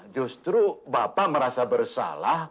justru bapak merasa bersalah